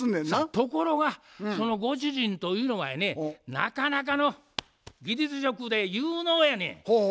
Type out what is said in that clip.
ところがそのご主人というのがやねなかなかの技術職で有能やねん。